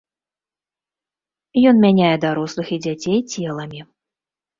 Ён мяняе дарослых і дзяцей целамі.